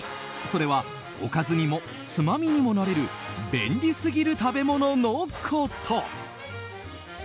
それはおかずにもつまみにもなれる便利すぎる食べ物のこと。